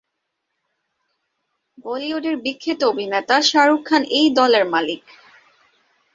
বলিউডের বিখ্যাত অভিনেতা শাহরুখ খান এই দলের মালিক।